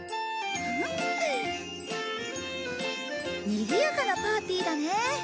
にぎやかなパーティーだね。